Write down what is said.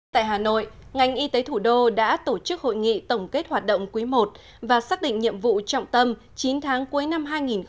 tại hà nội ngành y tế thủ đô đã tổ chức hội nghị tổng kết hoạt động quý i và xác định nhiệm vụ trọng tâm chín tháng cuối năm hai nghìn một mươi chín